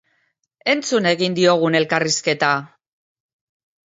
Entzun egin diogun elkarrizketa!